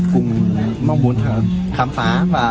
cùng mong muốn khám phá